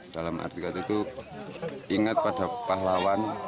dalam artikat itu ingat pada pahlawan